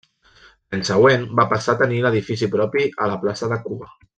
L'any següent va passar a tenir edifici propi a la plaça de Cuba.